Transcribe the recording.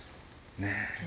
ねえ。